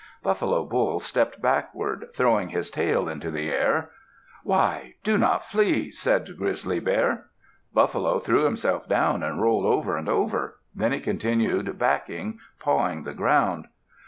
Buffalo Bull stepped backward, throwing his tail into the air. "Why! Do not flee," said Grizzly Bear. Buffalo threw himself down, and rolled over and over. Then he continued backing, pawing the ground.